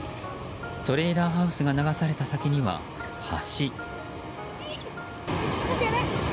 トレーラーハウスが流された先には橋。